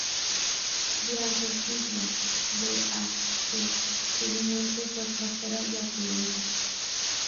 Durante el siglo V a. C. Selinunte fue próspera y opulenta.